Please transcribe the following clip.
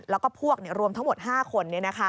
แล้วก็พวกรวมทั้งหมด๕คน